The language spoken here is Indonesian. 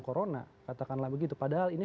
corona katakanlah begitu padahal ini